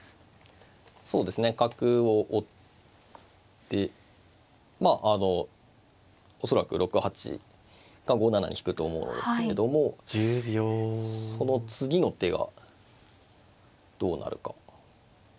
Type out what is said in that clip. そうですね角を追ってまああの恐らく６八か５七に引くと思うんですけれどもその次の手がどうなるか。